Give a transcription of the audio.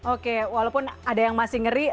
oke walaupun ada yang masih ngeri